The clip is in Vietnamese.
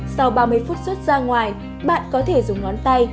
sau ba mươi phút xuất ra ngoài bạn có thể dùng ngón tay